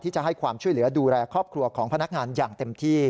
จะให้ความช่วยเหลือดูแลครอบครัวของพนักงานอย่างเต็มที่